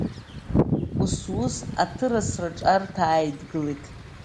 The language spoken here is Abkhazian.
Ус-ус аҭырасраҿы арҭ ааидгылеит.